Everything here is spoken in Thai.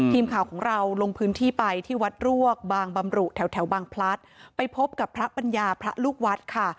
ทีมข่าวของเราลงพื้นที่ไปที่วัดรวกบางบำรุแถวแถวบางพลัดไปพบกับพระปัญญาพระลูกวัดค่ะ